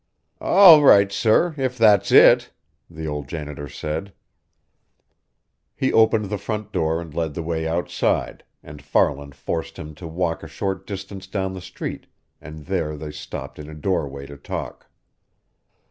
"All right, sir, if that's it," the old janitor said. He opened the front door and led the way outside, and Farland forced him to walk a short distance down the street, and there they stopped in a doorway to talk.